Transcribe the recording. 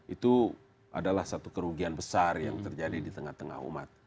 itu adalah satu kerugian besar yang terjadi di tengah tengah umat